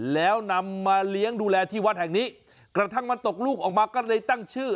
แล้วนำมาเลี้ยงดูแลที่วัดแห่งนี้กระทั่งมันตกลูกออกมาก็เลยตั้งชื่อ